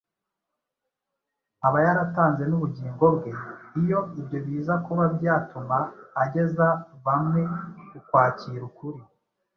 Aba yaratanze n’ubugingo bwe, iyo ibyo biza kuba byatuma ageza bamwe ku kwakira ukuri.